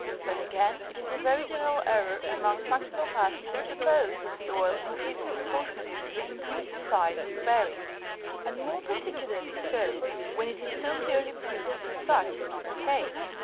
Then, again, it is a very general error33 among practical per sons to suppose that the oil increases proportionably to the increased size of the berry ; and more particularly so when it is so clearly proved that such is not the case, with reference to 30 More commonly spelt " pausia."